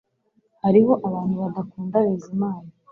Hariho abantu badakunda Bizimana